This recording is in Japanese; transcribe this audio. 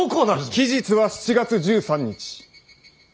期日は７月１３日。